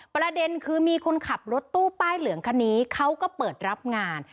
ประเด็นคือมีคนขับรถตู้ป้ายเหลืองคันนี้เขาก็เปิดรับงาน